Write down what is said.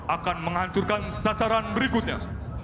akan menghancurkan sasaran berikutnya